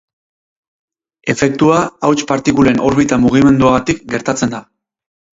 Efektua, hauts partikulen orbita mugimenduagatik gertatzen da.